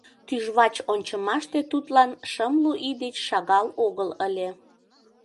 Тӱжвач ончымаште тудлан шымлу ий деч шагал огыл ыле.